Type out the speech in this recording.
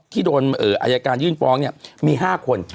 ที่โดนอายการยื่นฟ้องมี๕คน